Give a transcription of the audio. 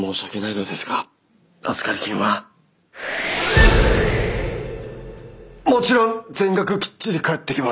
もちろん全額きっちり返ってきます。